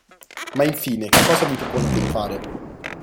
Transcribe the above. Ma infine, che cosa vi proponete di fare?